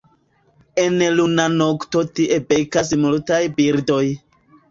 En luna nokto tie bekas multaj birdoj.